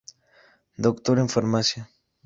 Doctor en Farmacia.